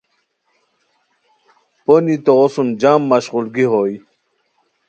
پونی توغو سوم جام مشقوگی ہوئے۔